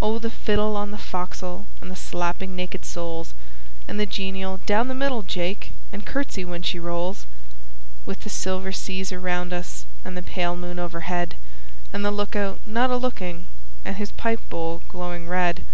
O! the fiddle on the fo'c's'le, and the slapping naked soles, And the genial ' Down the middle Jake, and curtsey when she rolls! ' A BALLAD OF JOHN SILVER 73 With the silver seas around us and the pale moon overhead, And .the look out not a looking and his pipe bowl glowing red.